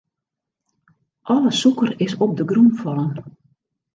Alle sûker is op de grûn fallen.